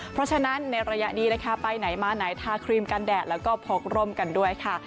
เพราะฉะนั้นในระยะนี้นะคะไปไหนมาไหนทาครีมกันแดดแล้วก็พกร่มกันด้วยค่ะ